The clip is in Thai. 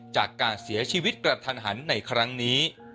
จากการเสียชีวิตกระทันหันในครั้งนี้